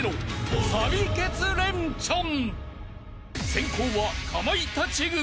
［先攻はかまいたち軍］